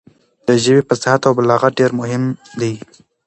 د ژبې فصاحت او بلاغت ډېر مهم دی.